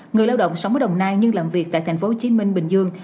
người lao động sống ở đồng nai nhưng làm việc tại thành phố hồ chí minh bình dương